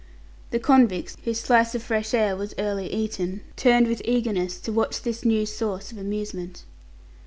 The convicts whose slice of fresh air was nearly eaten turned with eagerness to watch this new source of amusement.